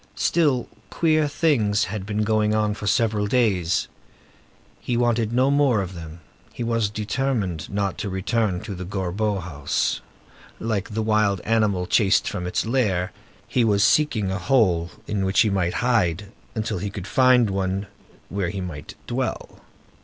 Still, queer things had been going on for several days. He wanted no more of them. He was determined not to return to the Gorbeau house. Like the wild animal chased from its lair, he was seeking a hole in which he might hide until he could find one where he might dwell.